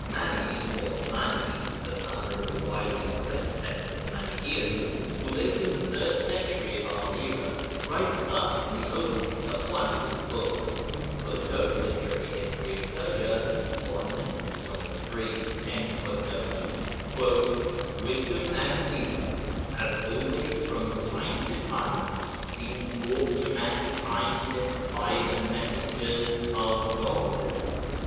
Manes, or Mani, the founder of the widely spread sect of the Manichaeans, who lived in the third century of our era, writes thus in the opening of one of his books, [Footnote: Literary History of Persia, i. 103.] 'Wisdom and deeds have always from time to time been brought to mankind by the messengers of God.